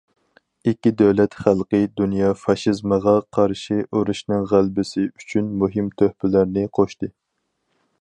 ئىككى دۆلەت خەلقى دۇنيا فاشىزمىغا قارشى ئۇرۇشنىڭ غەلىبىسى ئۈچۈن مۇھىم تۆپىلەرنى قوشتى.